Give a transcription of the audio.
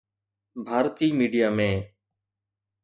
Bharti media ۾